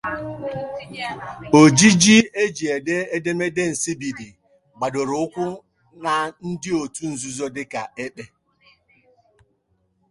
Ojiji e ji ede edemede, Nsibidi gbadoro ụkwụ na ndị otu nzuzo dị ka Ekpe.